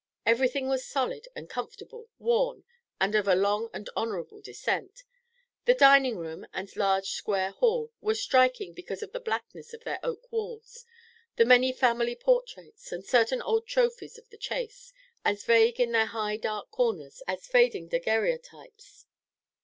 Everything was solid and comfortable, worn, and of a long and honourable descent. The dining room and large square hall were striking because of the blackness of their oak walls, the many family portraits, and certain old trophies of the chase, as vague in their high dark corners as fading daguerreotypes.